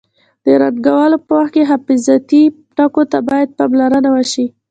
د رنګولو په وخت کې حفاظتي ټکو ته باید پاملرنه وشي.